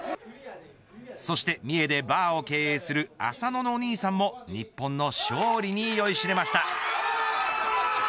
そして、三重でバーを経営する浅野のお兄さんも日本の勝利に酔いしれました。